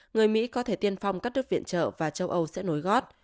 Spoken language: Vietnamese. người mỹ có thể tiên phong cắt đất viện trợ và châu âu sẽ nối gót